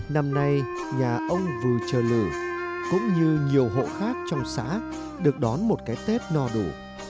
năm nay nhà ông vừa trờ lử cũng như nhiều hộ khác trong xã được đón một cái tết no đủ